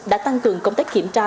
đã tăng cường công tác kiểm tra